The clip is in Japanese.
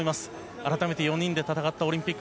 改めて４人で戦ったオリンピック。